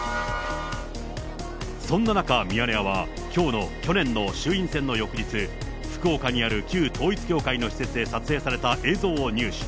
そんな中、ミヤネ屋は去年の衆院選の翌日、福岡にある旧統一教会の施設で撮影された映像を入手。